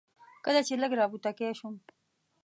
کله چې لږ را بوتکی شوم.